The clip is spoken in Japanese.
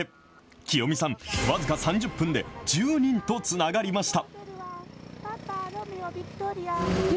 喜代美さん、僅か３０分で１０人とつながりました。